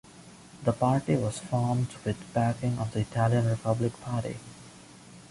The party was formed with the backing of the Italian Republican Party.